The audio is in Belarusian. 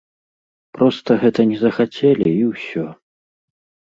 Проста гэта не захацелі і ўсё.